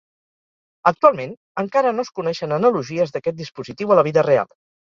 Actualment, encara no es coneixen analogies d'aquest dispositiu a la vida real.